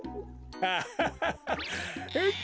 アハハハ。